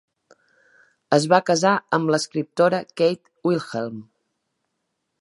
Es va casar amb l'escriptora Kate Wilhelm.